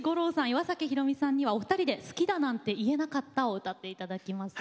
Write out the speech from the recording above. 岩崎宏美さんにはお二人で「好きだなんて言えなかった」を歌っていただきます。